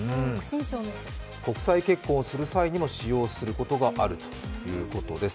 国際結婚をする際にも使用することがあるということだそうです。